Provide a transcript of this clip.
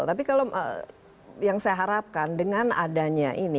tapi kalau yang saya harapkan dengan adanya ini